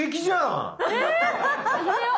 え⁉始めよう！